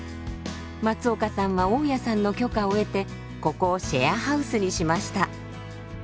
松岡さんは大家さんの許可を得てここをシェアハウスにしました。